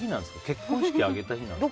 結婚式挙げた日なんですか。